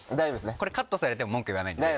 これカットされても文句言わないんで。